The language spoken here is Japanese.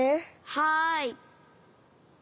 はい。